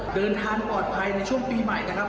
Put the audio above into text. เดินทางปลอดภัยในช่วงปีใหม่นะครับ